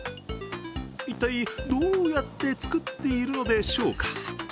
一体、どうやって作っているのでしょうか？